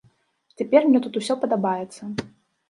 Цяпер мне ўсё тут падабаецца.